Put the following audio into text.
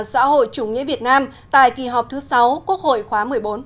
xã hội chủ nghĩa việt nam tại kỳ họp thứ sáu quốc hội khóa một mươi bốn